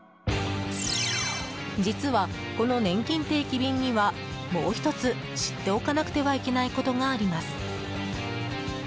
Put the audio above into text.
実は、このねんきん定期便にはもう１つ知っておかなくてはいけないことがあります。